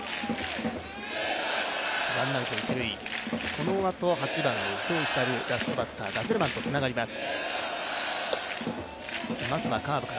このあと、８番の伊藤光、ラストバッター、ガゼルマンと続きます。